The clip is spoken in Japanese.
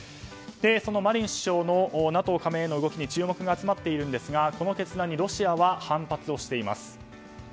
そのマリン首相のＮＡＴＯ加盟への動きに注目が集まっていますがこの決断にロシアは反発をしています。